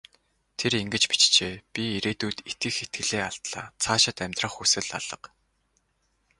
Тэр ингэж бичжээ: "Би ирээдүйд итгэх итгэлээ алдлаа. Цаашид амьдрах хүсэл алга".